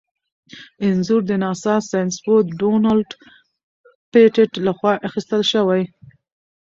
انځور د ناسا ساینسپوه ډونلډ پېټټ لخوا اخیستل شوی.